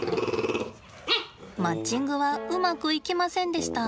マッチングはうまくいきませんでした。